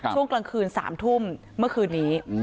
ช่วงกลางคืน๓ทุ่มเมื่อคืนนี้